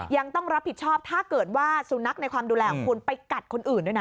ยังต้องรับผิดชอบถ้าเกิดว่าสุนัขในความดูแลของคุณไปกัดคนอื่นด้วยนะ